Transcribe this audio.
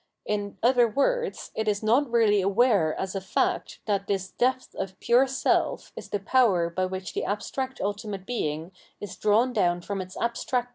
In other words, it is not really aware as a fact that this depth of pure self is the power by which the abstract Ulti mate Being is drawn down from its abstractness and * i.